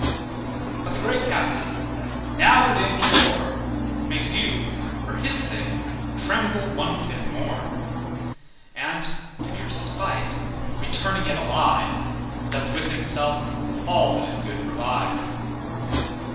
But the great captain, now the danger's o'er, Makes you for his sake tremble one fit more; And, to your spite, returning yet alive Does with himself all that is good revive.